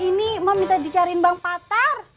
ini emak minta dicariin bang patar